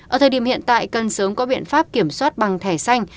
ở thời điểm hiện tại cần sớm có biện pháp kiểm soát bằng thẻ xanh